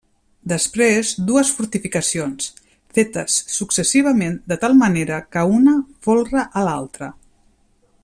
Després, dues fortificacions, fetes successivament de tal manera que una folra a l'altre.